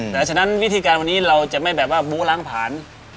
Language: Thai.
เพราะฉะนั้นวิธีการวันนี้เราจะไม่แบบว่าบู้ล้างผ่าน